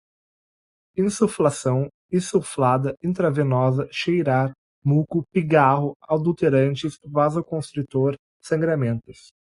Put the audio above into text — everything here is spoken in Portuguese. insuflação, insuflada, intravenosa, cheirar, muco, pigarro, adulterantes, vasoconstritor, sangramentos